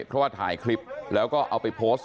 เพราะว่าถ่ายคลิปแล้วก็เอาไปโพสต์